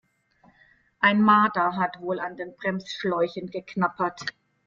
Ein Marder hat wohl an den Bremsschläuchen geknabbert.